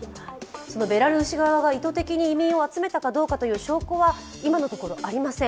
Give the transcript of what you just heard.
ベラルーシ側が意図的に移民を集めたかどうかという証拠は今のところ、ありません。